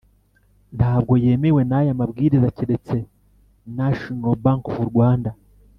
ntabwo yemewe n aya mabwiriza keretse National Bank of Rwanda